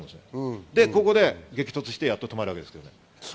で、ここで激突して、やっと止まるわけです。